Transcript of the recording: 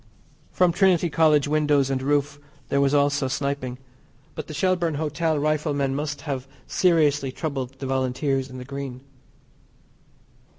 From Trinity College windows and roof there was also sniping, but the Shelbourne Hotel riflemen must have seriously troubled the Volunteers in the Green.